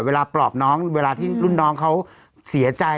ปลอบน้องเวลาที่รุ่นน้องเขาเสียใจ